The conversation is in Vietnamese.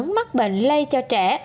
mắc bệnh lây cho trẻ